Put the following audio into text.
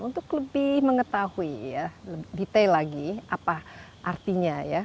untuk lebih mengetahui ya lebih detail lagi apa artinya ya